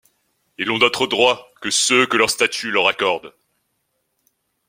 Ils n'ont d'autres droits que ceux que les statuts leur accordent.